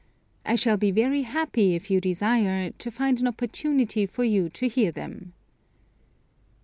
I shall be very happy, if you desire, to find an opportunity for you to hear them."